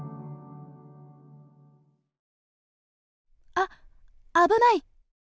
あ危ない！